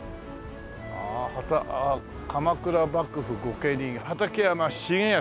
鎌倉幕府御家人畠山重保